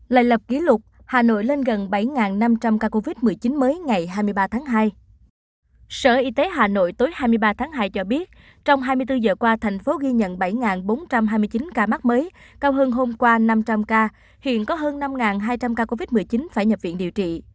hãy đăng ký kênh để ủng hộ kênh của chúng mình nhé